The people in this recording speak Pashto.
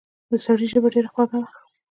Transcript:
د سړي ژبه ډېره خوږه وه.